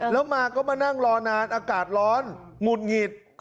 แล้วมาก็มานั่งรอนานอากาศร้อนหงุดหงิด